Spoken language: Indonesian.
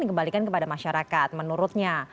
dikembalikan kepada masyarakat menurutnya